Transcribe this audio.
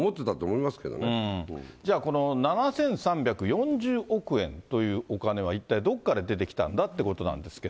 皆さん、じゃあ、この７３４０億円というお金は、一体どこから出てきたんだっていうことなんですが。